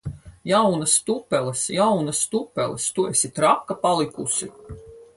Jaunas tupeles! Jaunas tupeles! Tu esi traka palikusi!